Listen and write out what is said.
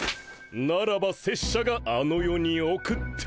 ならば拙者があの世に送って。